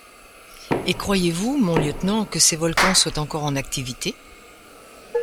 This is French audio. Et croyez-vous, mon lieutenant, que ces volcans soient encore en activité ?